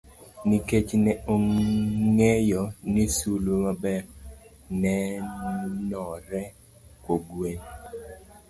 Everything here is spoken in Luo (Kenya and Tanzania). Nikech ne ang'eyo ni sulwe maber nenore kogwen.